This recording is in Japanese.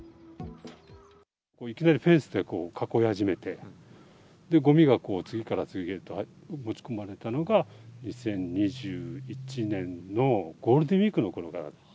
いきなりフェンスで囲い始めて、ごみがこう、次から次へと持ち込まれたのが、２０２１年のゴールデンウィークのころからです。